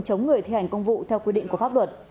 chống người thi hành công vụ theo quy định của pháp luật